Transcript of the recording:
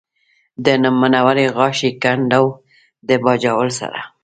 د منورې غاښی کنډو د باجوړ سره